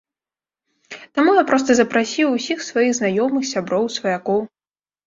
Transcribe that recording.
Таму я проста запрасіў усіх сваіх знаёмых, сяброў, сваякоў.